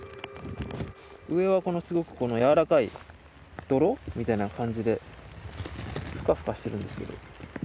上はすごくやわらかい泥みたいな感じでフカフカしてるんですけど。